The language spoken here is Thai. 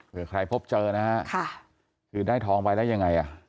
เผื่อใครพบเจอนะคะค่ะคือได้ท้องไปแล้วยังไงอ่ะ